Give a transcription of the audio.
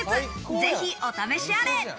ぜひお試しあれ。